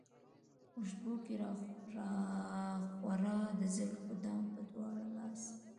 خوشبو که راخوره د زلفو دام پۀ دواړه لاسه